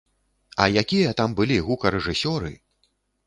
А якія там былі гукарэжысёры!